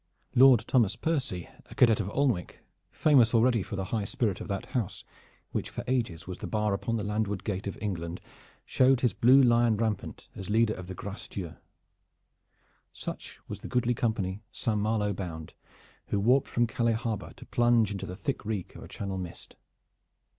Lord Thomas Percy, a cadet of Alnwick, famous already for the high spirit of that house which for ages was the bar upon the landward gate of England, showed his blue lion rampant as leader of the Grace Dieu. Such was the goodly company Saint Malo bound, who warped from Calais Harbor to plunge into the thick reek of a Channel mist.